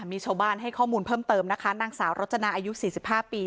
มีชาวบ้านให้ข้อมูลเพิ่มเติมนะคะนางสาวรจนาอายุ๔๕ปี